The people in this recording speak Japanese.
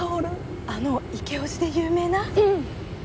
あのイケおじで有名な！？